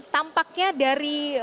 dan tampaknya dari